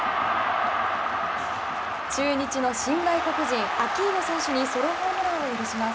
中日の新外国人、アキーノ選手にソロホームランを許します。